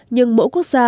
nhưng mỗi quốc gia